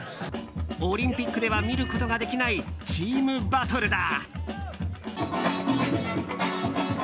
オリンピックでは見ることができないチームバトルだ。